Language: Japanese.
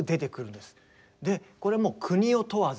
でこれはもう国を問わず。